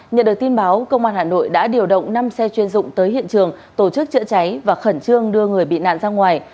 nhận được tin báo công an hà nội đã điều động năm xe chuyên dụng tới hiện trường tổ chức chữa cháy và khẩn trương đưa người bị nạn ra ngoài